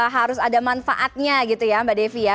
harus ada manfaatnya gitu ya mbak devi ya